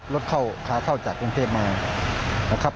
รถเข้าขาเข้าจากกรุงเทพมานะครับ